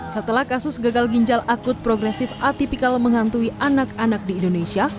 setelah kasus gagal ginjal akut progresif atipikal menghantui anak anak di indonesia